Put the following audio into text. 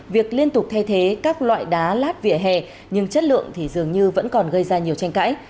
việc liên tục thay thế các loại đá lát vỉa hè nhưng chất lượng thì dường như vẫn còn gây ra nhiều tranh cãi